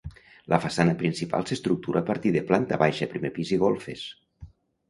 La façana principal s'estructura a partir de planta baixa, primer pis i golfes.